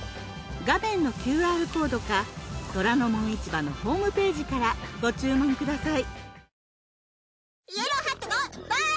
画面のＱＲコードか『虎ノ門市場』のホームページからご注文ください。